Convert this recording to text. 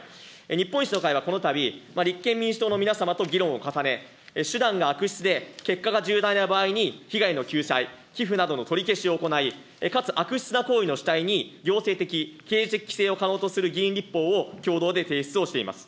日本維新の会は、このたび、立憲民主党の皆様と議論を重ね、手段が悪質で、結果が重大な場合に、被害の救済、寄付などの取り消しを行い、かつ悪質な行為の主体に行政的、政治的規制を可能とする議員立法を共同で提出をしております。